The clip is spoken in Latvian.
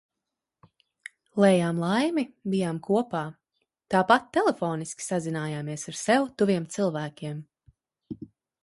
Lējām laimi, bijām kopā. Tāpat telefoniski sazinājāmies ar sev tuviem cilvēkiem.